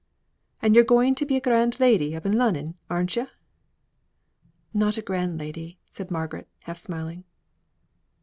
And yo're going to be a grand lady up i' Lunnon, aren't yo'?" "Not a grand lady," said Margaret, half smiling.